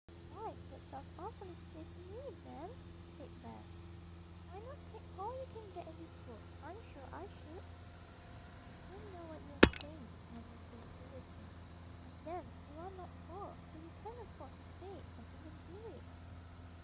"Why, that sounds awfully silly to me, Nan!" said Bess. "Why not take all you can get in this world? I'm sure I should." "You don't know what you are saying," Nan returned seriously. "And, then, you are not poor, so you can afford to say it, and even do it."